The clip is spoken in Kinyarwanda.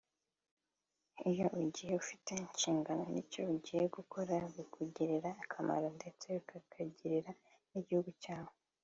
Iyo ugiye ufite inshingano n’icyo ugiye gukora bikugirira akamaro ndetse bikakagirira n’igihugu cyawe